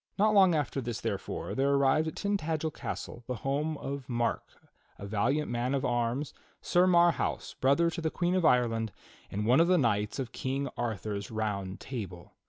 Not long after this, therefore, there arrived at Tin tagel castle, the home of Mark, a valiant man of arms. Sir Marhaus, brother to the Queen of Ireland, and one of the knights of King Arthur's Round Table.